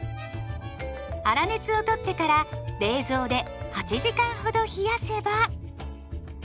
粗熱を取ってから冷蔵で８時間ほど冷やせば。